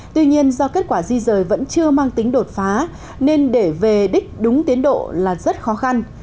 tuy nhiên do kết quả di rời vẫn chưa mang tính đột phá nên để về đích đúng tiến độ là rất khó khăn